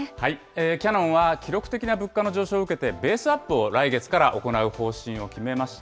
キヤノンは、記録的な物価の上昇を受けて、ベースアップを来月から行う方針を決めました。